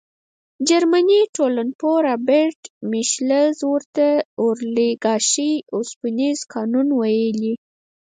جرمني ټولنپوه رابرټ میشلز ورته د اولیګارشۍ اوسپنیز قانون ویلي.